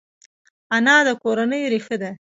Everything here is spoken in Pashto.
انا د کورنۍ ریښه ده